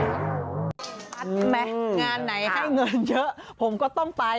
งานไหนให้เงินเยอะผมก็ต้องไป